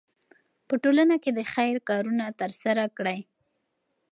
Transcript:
په ټولنه کې د خیر کارونه ترسره کړئ.